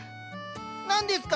何ですか？